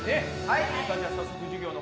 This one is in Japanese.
はい。